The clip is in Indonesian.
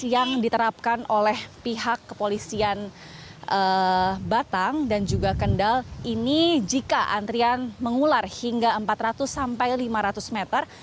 yang diterapkan oleh pihak kepolisian batang dan juga kendal ini jika antrian mengular hingga empat ratus sampai lima ratus meter